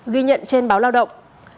ghi nhận trên báo lao động